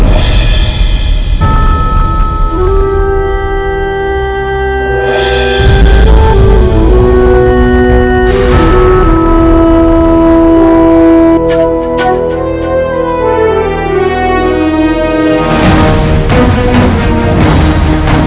aku akan menang